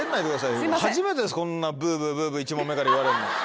初めてですこんなブブ１問目から言われるの。